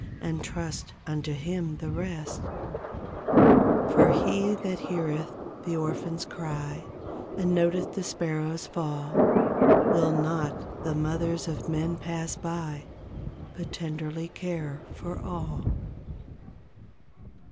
And trust unto Him, the rest; For He that heareth the orphan's cry 42 And noteth the sparrow's fall, Will not the mothers of men pass by, But tenderly care for all.